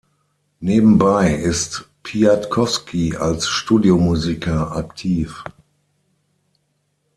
Nebenbei ist Piatkowski als Studiomusiker aktiv.